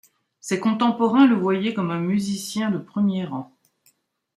Ses contemporains le voyaient comme un musicien de premier rang.